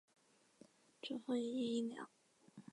祖父叶益良。